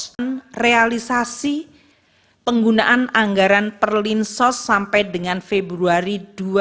dan realisasi penggunaan anggaran perlindungan sos sampai dengan februari dua ribu dua puluh empat